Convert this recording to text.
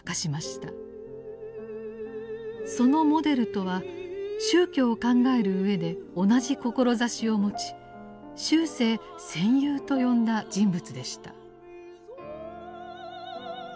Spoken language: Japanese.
そのモデルとは宗教を考えるうえで同じ志を持ち終生「戦友」と呼んだ人物でした。